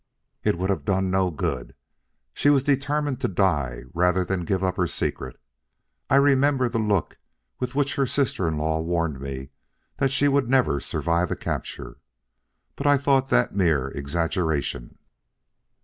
"It would have done no good. She was determined to die rather than give up her secret. I remember the look with which her sister in law warned me that she would never survive a capture. But I thought that mere exaggeration."